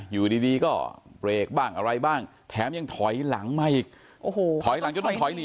อยู่ดีดีก็เบรกบ้างอะไรบ้างแถมยังถอยหลังมาอีกโอ้โหถอยหลังจนต้องถอยหนี